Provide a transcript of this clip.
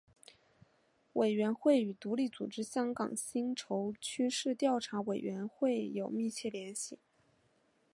委员会与独立组织香港薪酬趋势调查委员会有密切联系。